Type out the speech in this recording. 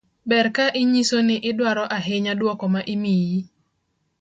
ber ka inyiso ni idwaro ahinya duoko ma imiyi